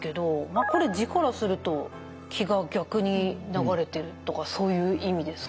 これ字からすると気が逆に流れてるとかそういう意味ですか？